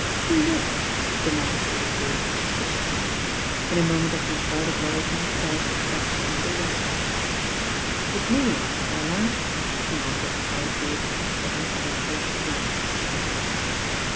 ^ "Who with?" demanded Lady Drewitt, suspi ciously. In a moment of misguided loyalty Beresford dashed in to the rescue. "With me, Aunt Caroline." He wondered why Drewitt flashed at him a reproachful glance.